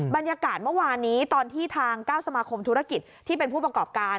บรรยากาศเมื่อวานนี้ตอนที่ทาง๙สมาคมธุรกิจที่เป็นผู้ประกอบการ